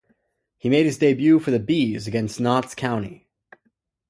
He made his debut for the Bees against Notts County.